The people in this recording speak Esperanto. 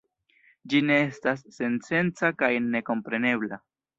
Ĝi estas sensenca kaj nekomprenebla.